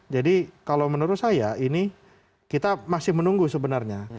jadi kalau menurut saya ini kita masih menunggu sebenarnya